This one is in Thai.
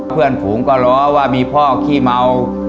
เพื่อนฝูงก็ล้อว่ามีพ่อขี้เมา